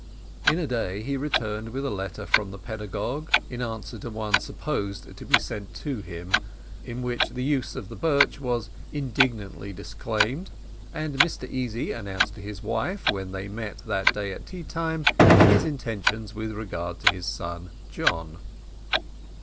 In a day he returned with a letter from the pedagogue in answer to one supposed to be sent to him, in which the use of the birch was indignantly disclaimed, and Mr Easy announced to his wife, when they met that day at tea time, his intentions with regard to his son John.